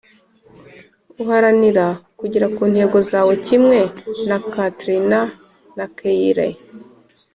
uharanira kugera ku ntego zawe Kimwe na Catrina na Kyle